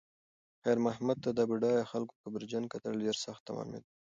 خیر محمد ته د بډایه خلکو کبرجن کتل ډېر سخت تمامېدل.